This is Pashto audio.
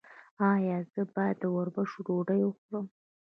ایا زه باید د وربشو ډوډۍ وخورم؟